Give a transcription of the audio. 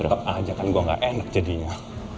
aja kan gue gak enak jadinya